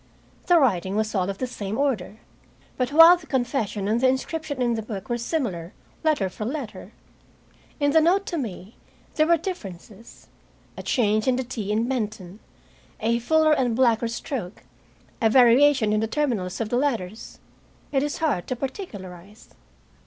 The writing was all of the same order, but while the confession and the inscription in the book were similar, letter for letter, in the note to me there were differences, a change in the "t" in Benton, a fuller and blacker stroke, a variation in the terminals of the letters it is hard to particularize.